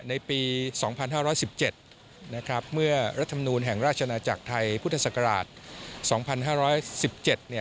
ในปี๒๕๑๗เมื่อรัฐธรรมนูนแห่งราชนาจักรไทยพุทธศักราช